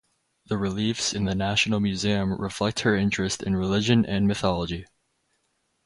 The reliefs in the National Museum reflect her interest in religion and mythology.